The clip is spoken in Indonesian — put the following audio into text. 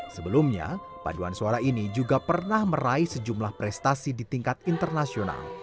sebelumnya paduan suara ini juga pernah meraih sejumlah prestasi di tingkat internasional